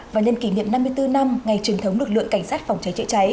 và nhân kỷ niệm năm mươi bốn năm ngày truyền thống lực lượng cảnh sát phòng cháy chữa cháy